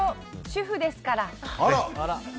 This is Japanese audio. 主婦ですから。